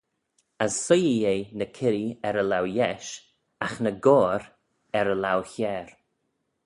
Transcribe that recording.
As soie-ee eh ny kirree er e laue-yesh, agh ny goair er e laue-chiare.